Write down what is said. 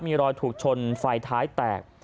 มีรอยถูกชนไฟท้ายแตก